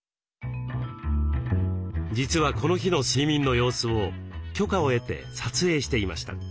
実はこの日の睡眠の様子を許可を得て撮影していました。